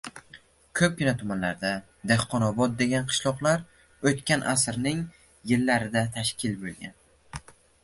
Ko‘pgina tumanlarda Dehqonobod degan qishloqlar o‘tgan asrning - yillarida tashkil bo‘lgan.